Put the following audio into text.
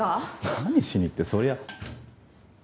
何しにってそりゃ。